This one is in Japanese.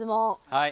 はい。